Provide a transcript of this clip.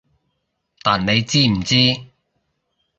但你知唔知